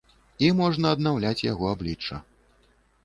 І можна аднаўляць яго аблічча.